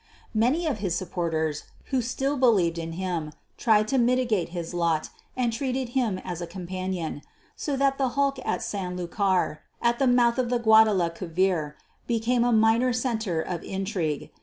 Many of his supporters, who still believed in him, tried to mitigate his lot and treated him as a companion; so that the hulk at San Lucar, at the mouth of the Guadalquiver became a minor centre of intrigue.